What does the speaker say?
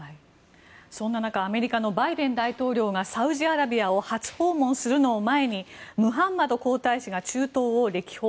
そんな中、アメリカのバイデン大統領がサウジアラビアを初訪問するのを前にムハンマド皇太子が中東を歴訪。